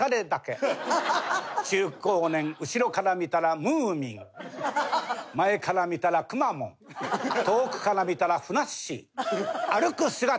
中高年後ろから見たらムーミン前から見たらくまモン遠くから見たらふなっしー歩く姿は一夜干し。